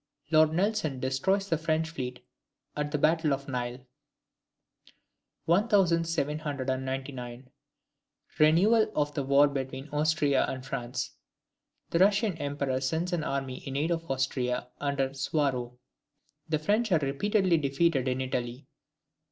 Lord Nelson destroys the French fleet at the Battle of the Nile. 1799. Renewal of the war between Austria and France. The Russian emperor sends an army in aid of Austria, under Suwarrow. The French are repeatedly defeated in Italy.